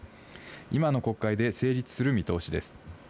今の国会で成立する見通しです。